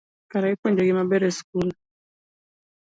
Kare ipuonjogi maber e sikul